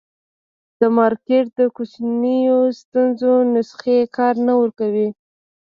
د مارکېټ د کوچنیو ستونزو نسخې کار نه ورکوي.